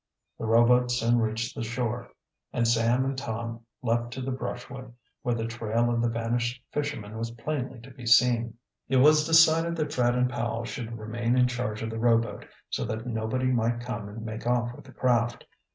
The rowboat soon reached the shore, and Sam and Tom leaped to the brushwood, where the trail of the vanished fisherman was plainly to be seen. It was decided that Fred and Powell should remain in charge of the rowboat, so that nobody might come and make off with the craft.